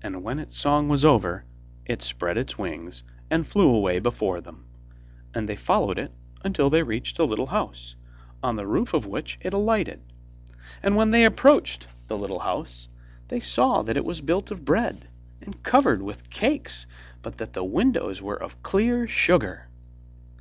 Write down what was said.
And when its song was over, it spread its wings and flew away before them, and they followed it until they reached a little house, on the roof of which it alighted; and when they approached the little house they saw that it was built of bread and covered with cakes, but that the windows were of clear sugar.